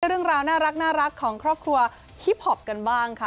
เรื่องราวน่ารักของครอบครัวฮิปพอปกันบ้างค่ะ